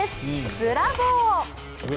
ブラボー！